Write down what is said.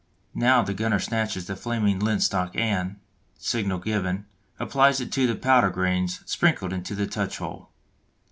Now the gunner snatches the flaming lintstock and, signal given, applies it to the powder grains sprinkled in the touch hole.